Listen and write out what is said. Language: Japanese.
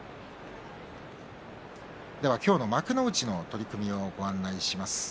今日の幕内の取組をご案内します。